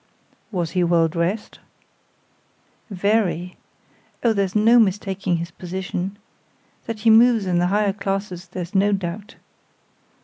"Was he well dressed?" "Very. Oh, there's no mistaking his position. That he moves in the higher classes there's no doubt.